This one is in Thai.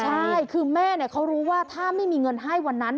ใช่คือแม่เขารู้ว่าถ้าไม่มีเงินให้วันนั้น